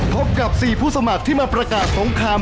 พบกับ๔ผู้สมัครที่มาประกาศสงคราม